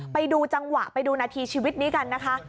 ไปดูจังหวะไปดูนาทีชีวิตนี้กันนะคะ